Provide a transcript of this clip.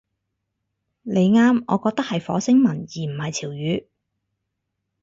你啱，我覺得係火星文而唔係潮語